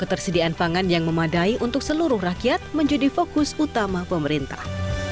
ketersediaan pangan yang memadai untuk seluruh rakyat menjadi fokus utama pemerintah